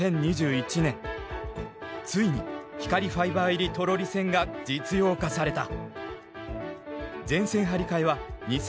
ついに光ファイバー入りトロリ線が実用化された。